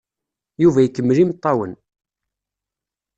Yuba ikemmel imeṭṭawen.